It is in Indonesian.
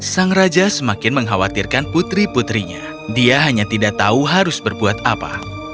sang raja semakin mengkhawatirkan putri putrinya dia hanya tidak tahu harus berbuat apa